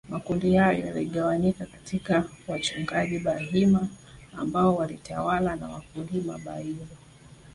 Makundi hayo yaligawanyika katiya wachungaji Bahima ambao walitawala na wakulima Bairu